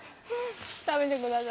食べてください。